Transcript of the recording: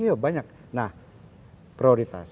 iya banyak nah prioritas